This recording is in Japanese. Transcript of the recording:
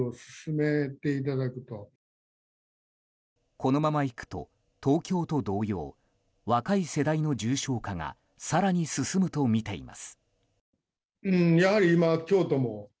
このままいくと東京と同様若い世代の重症化が更に進むとみています。